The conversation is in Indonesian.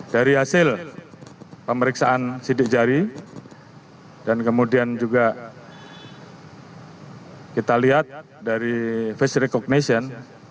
dari hasil pemeriksaan sidik jari dan kemudian juga kita lihat dari face recognition